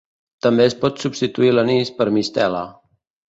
També es pot substituir l’anís per mistela.